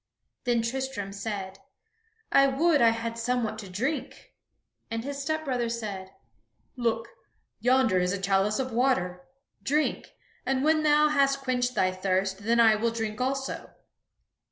Then Tristram said, "I would I had somewhat to drink," and his stepbrother said, "Look, yonder is a chalice of water; drink! and when thou hast quenched thy thirst, then I will drink also."